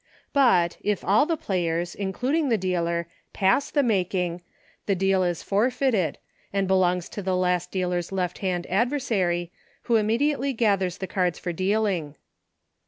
But, if all the players, including the dealer, pass the making, the deal is for feited, and belongs to the last dealer's left hand adversary, who immediately gathers the cards for dealing.